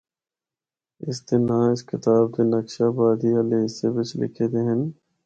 ان دے ناں اس کتاب دے نقشہ آبادی آلے حصے بچ لِکھے دے ہن۔